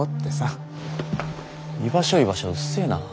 居場所居場所うっせえな。